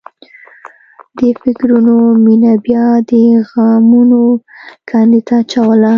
دې فکرونو مينه بیا د غمونو کندې ته اچوله